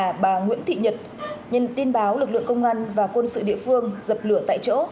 và bà nguyễn thị nhật nhân tin báo lực lượng công an và quân sự địa phương dập lửa tại chỗ